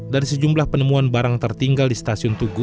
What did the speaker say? dari sejumlah penemuan barang tertinggal di stasiun tugu